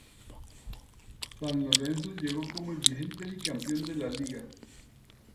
San Lorenzo llegó como el vigente bicampeón de La Liga.